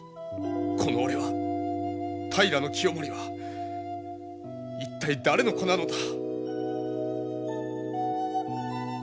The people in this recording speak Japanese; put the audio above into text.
この俺は平清盛は一体誰の子なのだ！？